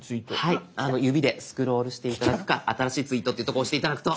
はい指でスクロールして頂くか「新しいツイート」っていうとこ押して頂くと。